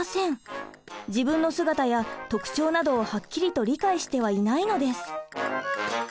自分の姿や特徴などをはっきりと理解してはいないのです。